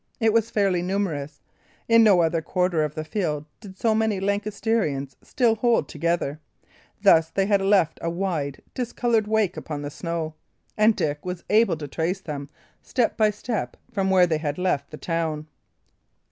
It was fairly numerous; in no other quarter of the field did so many Lancastrians still hold together; thus they had left a wide, discoloured wake upon the snow, and Dick was able to trace them step by step from where they had left the town.